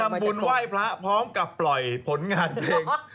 ทำบุญไหว้พระพร้อมกับปล่อยผลงานเพลง